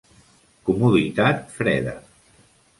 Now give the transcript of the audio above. Comoditat freda